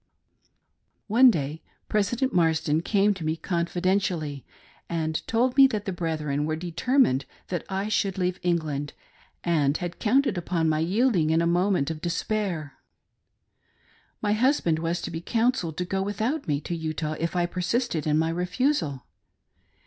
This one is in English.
One day. President Marsden came to me confidentially and told me that the brethren were determined that I should leave England, and had counted upon my yielding in a moment of despair. My husband was to be counselled to go without me to Utah, if I persisted in my refusal.